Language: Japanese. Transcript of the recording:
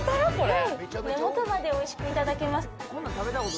はい根元までおいしくいただけます